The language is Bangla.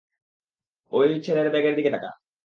ঐ ছেলের ব্যাগের দিকে তাকা।